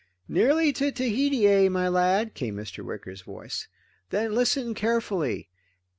"Nearly to Tahiti, eh, my lad?" came Mr. Wicker's voice. "Then listen carefully.